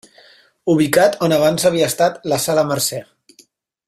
Ubicat on abans havia estat la Sala Mercè.